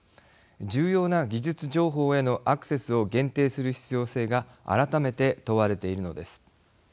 重要な技術情報へのアクセスを限定する必要性が改めて問われているのです。